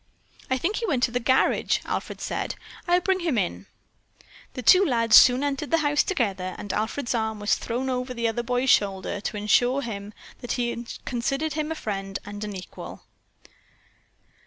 "I think he went to the garage," Alfred said. "I'll bring him in." The two lads soon entered the house together and Alfred's arm was thrown over the other boy's shoulder to assure him that he considered him a friend and an equal.